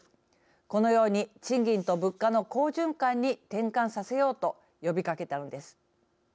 このように賃金と物価の好循環に転換させようと呼びかけたのです。